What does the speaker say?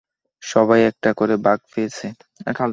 সবাই একটা করে ভাগ পেয়েছে।